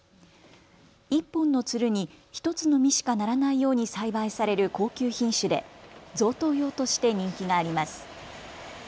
１本のつるに１つの実しかならないように栽培される高級品種で贈答用として人気があります。